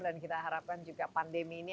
dan kita harapkan juga pandemi ini